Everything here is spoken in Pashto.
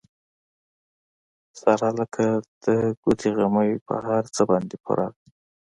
ساره لکه د ګوتې غمی په هر څه باندې پوره ده.